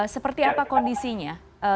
seperti apa kondisinya